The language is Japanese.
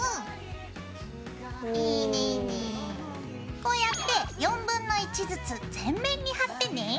こうやってずつ全面に貼ってね。